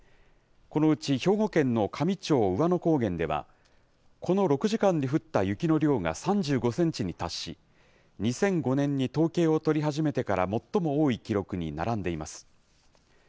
このうち兵庫県の香美町兎和野高原では、この６時間に降った雪の量が３５センチに達し、２００５年に統計を取り始めてから最も多い記録に並んでいます。